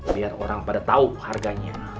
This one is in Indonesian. biar orang pada tahu harganya